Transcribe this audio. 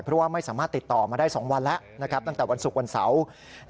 เพราะว่าไม่สามารถติดต่อมาได้๒วันแล้วตั้งแต่วันศุกร์วันเสาร์